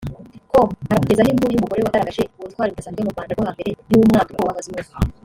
com arakugezaho inkuru y’umugore wagaragaje ubutwari budasanzwe mu Rwanda rwo hambere y’umwaduko w’abazungu